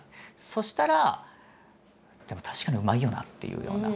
そしたらでも確かにうまいよなっていうような。